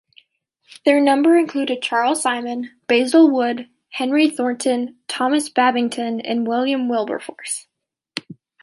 Their number included Charles Simeon, Basil Woodd, Henry Thornton, Thomas Babington and William Wilberforce.